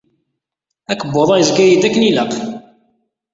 Akebbuḍ-a yezga-yi-d akken ilaq.